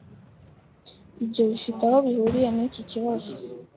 Ibyo bifite aho bihuriye niki kibazo.